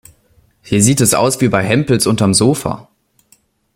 Hier sieht es aus wie bei Hempels unterm Sofa.